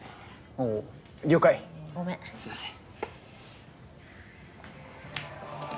おう了解ごめんすいません